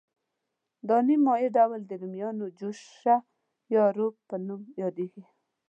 دا نیم مایع ډول د رومیانو جوشه یا روب په نوم یادیږي.